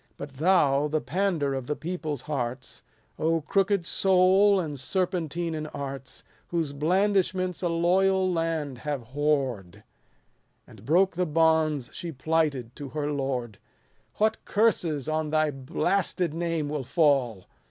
But thou, the pauder of the people's hearts, crooked soul, and serpentine in arts, Whose blandishments a loyal land have whored, And broke the bonds she plighted to her lord ; What curses on thy blasted name will fall